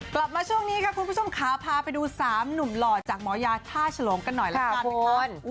กลับมาช่วงนี้ค่ะคุณผู้ชมค่ะพาไปดู๓หนุ่มหล่อจากหมอยาท่าฉลงกันหน่อยละกันนะคะ